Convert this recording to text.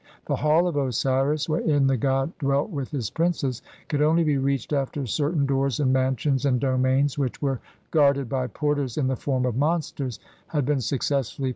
The Hall of Osiris wherein the god dwelt with his princes could only be reached after certain doors, and mansions, and domains, which were guarded by porters in the form of monsters, had been successfully